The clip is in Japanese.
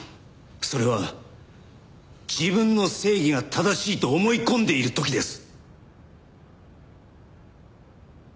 それは自分の正義が正しいと思い込んでいる時です。